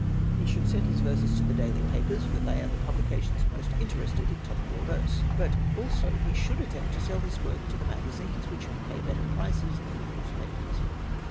"He should send his verses to the daily papers, for they are the publications most interested in topical verse. But also he should attempt to sell his work to the magazines, which pay better prices than the newspapers.